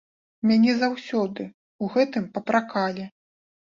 Мяне заўсёды ў гэтым папракалі.